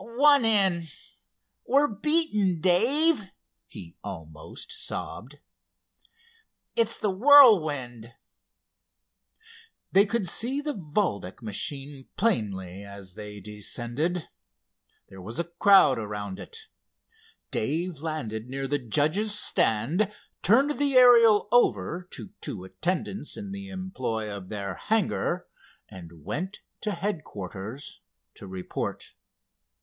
"One in—we're beaten, Dave," he almost sobbed. "It's the Whirlwind." They could see the Valdec machine plainly as they descended. There was a crowd around it. Dave landed near the judges' stand, turned the Ariel over to two attendants in the employ of their hangar, and went to headquarters to report.